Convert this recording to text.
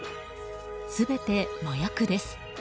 全て麻薬です。